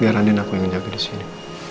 biar andin aku yang jaga disini